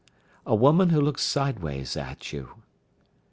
A woman who looks sideways at you.